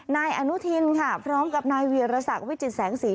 นายอนุทินค่ะพร้อมกับนายเวียรสักวิจิตแสงสี